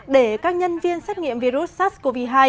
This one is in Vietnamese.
để các nhân viên xét nghiệm virus sars cov hai